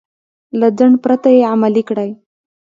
له ځنډ پرته يې عملي کړئ.